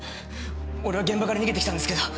俺は現場から逃げてきたんですけど。